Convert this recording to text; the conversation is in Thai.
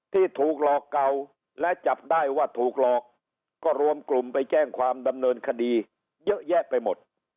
ที่ถูกหลอกเก่าและจับได้ว่าถูกหลอกก็รวมกลุ่มไปแจ้งความดำเนินคดีเยอะแยะไปหมด